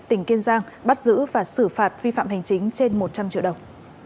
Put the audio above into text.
tỉnh kiên giang bắt giữ và xử phạt vi phạm hành chính trên một trăm linh triệu đồng